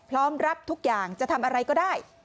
พร้อมรับทุกอย่างจะทำอะไรก็ได้